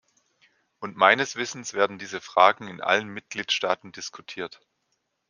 Und meines Wissens werden diese Fragen in allen Mitgliedstaaten diskutiert.